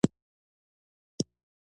د هوا فشار د غرونو په لوړوالي سره بدلېږي.